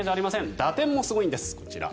打点もすごいんです、こちら。